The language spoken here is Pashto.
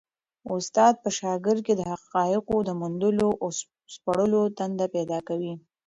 استاد په شاګرد کي د حقایقو د موندلو او سپړلو تنده پیدا کوي.